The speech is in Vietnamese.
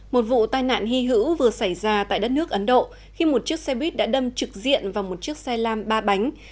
một vụ tai nạn hy hữu vừa xảy ra tại đất nước ấn độ khi một chiếc xe buýt đã đâm trực diện vào một chiếc xe lam ba bánh